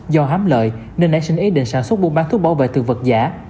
do hám lợi nên đã xin ý định sản xuất buôn bán thuốc bảo vệ thực vật giả